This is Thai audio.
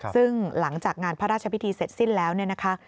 ซึ่งหลังจากงานพระราชพิธีเสร็จสิ้นแล้วเนี่ยนะคะ